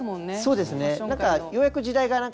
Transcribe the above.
そうですねはい。